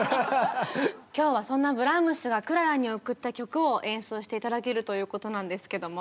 今日はそんなブラームスがクララに贈った曲を演奏して頂けるということなんですけども。